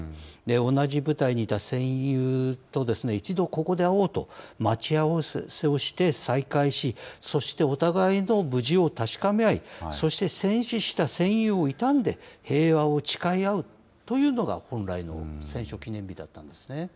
同じ部隊にいた戦友と一度ここで会おうと待ち合わせをして再会し、そしてお互いの無事を確かめ合い、そして戦死した戦友を悼んで、平和を誓い合うというのが、本来の戦勝記念日だったんですね。